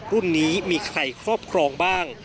รุ่นนี้มีใครครอบครองบ้าง